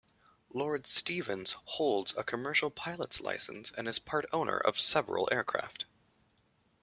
Lord Stevens holds a Commercial Pilot's Licence and is part owner of several aircraft.